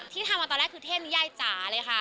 ทำมาตอนแรกคือเทพนิยายจ๋าเลยค่ะ